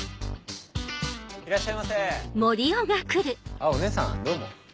あっお姉さんどうも。